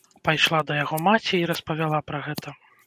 Пайшла да яго маці і распавяла пра гэта.